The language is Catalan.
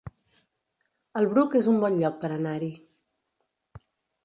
El Bruc es un bon lloc per anar-hi